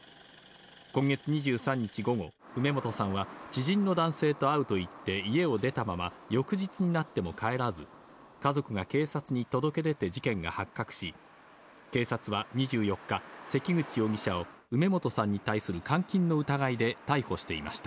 今月２３日午後、梅本さんは知人の男性と会うと言って家を出たまま翌日になっても帰らず、家族が警察に届け出て事件が発覚し、警察は２４日、関口容疑者を梅本さんに対する監禁の疑いで逮捕していました。